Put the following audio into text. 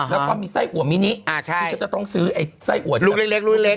แล้วก็มีไส้อัวมินิที่ฉันจะต้องซื้อไอ้ไส้อัวลูกเล็กลูกเล็ก